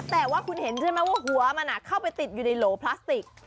แต่ว่าคุณเห็นใช่ไหมว่าหัวมันเข้าไปติดอยู่ในโหลพลาสติก